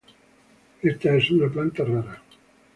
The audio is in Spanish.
Esta es una planta rara.